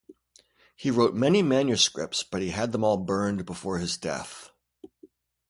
He wrote many manuscripts, but he had them all burned before his death.